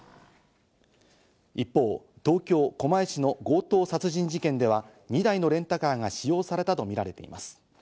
一方、東京・狛江市の強盗殺人事件では２台のレンタカーが使用されたとみられています。